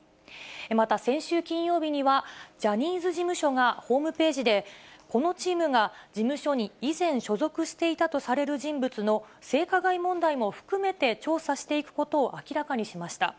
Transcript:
また先週金曜日には、ジャニーズ事務所がホームページで、このチームが事務所に以前、所属していたとされる人物の性加害問題も含めて調査していくことを明らかにしました。